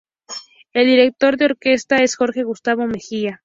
El director de orquesta es Jorge Gustavo Mejía.